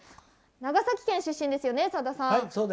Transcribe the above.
長崎県出身ですよね、さださん。